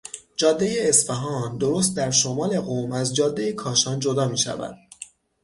جادهی اصفهان درست در شمال قم از جادهی کاشان جدا میشود.